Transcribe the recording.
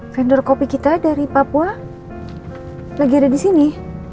vendor kopi kita dari papua lagi ada di sini